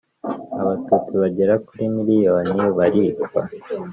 abatutsi bagera kuri Miliyoni baricwa.